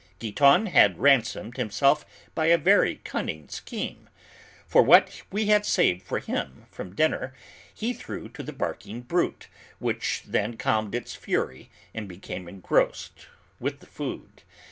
Giton had ransomed himself by a very cunning scheme, for what we had saved for him, from dinner, he threw to the barking brute, which then calmed its fury and became engrossed with the food.